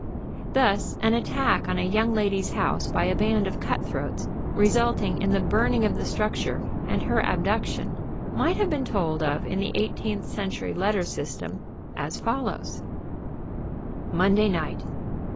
Thus, an attack on a young lady's house by a band of cutthroats, resulting in the burning of the structure and her abduction, might have been told of in the eighteenth century letter system as follows: _Monday night.